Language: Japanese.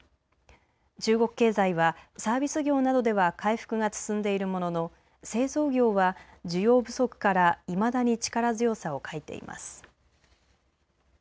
中国経済はサービス業などでは回復が進んでいるものの製造業は需要不足からいまだに力強さを欠いています。